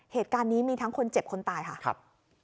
เหตุการณ์นี้มีทั้งคนเจ็บคนตายค่ะครับ